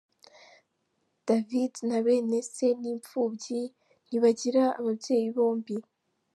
David na bene se ni imfubyi, ntibagira ababyeyi bombi.